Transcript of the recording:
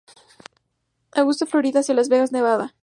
Augustine, Floria hacia Las Vegas, Nevada.